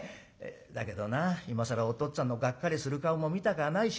だけどな今更おとっつぁんのがっかりする顔も見たくはないしね。